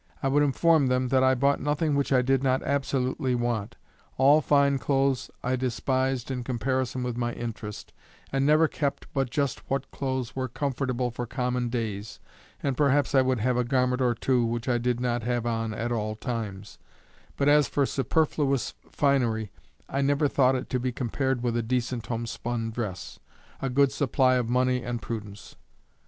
I would inform them that I bought nothing which I did not absolutely want. All fine clothes I despised in comparison with my interest, and never kept but just what clothes were comfortable for common days, and perhaps I would have a garment or two which I did not have on at all times, but as for superfluous finery I never thought it to be compared with a decent homespun dress, a good supply of money and prudence.